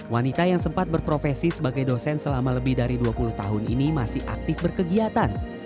wanita yang sempat berprofesi sebagai dosen selama lebih dari dua puluh tahun ini masih aktif berkegiatan